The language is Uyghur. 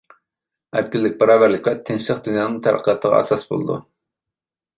ئەركىنلىك، باراۋەرلىك ۋە تىنچلىق دۇنيانىڭ تەرەققىياتىغا ئاساس بولىدۇ.